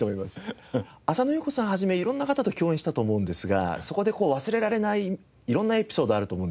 浅野ゆう子さんを始め色んな方と共演したと思うんですがそこで忘れられない色んなエピソードあると思うんです。